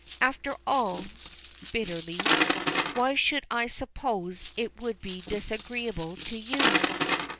After all" bitterly "why should I suppose it would be disagreeable to you?"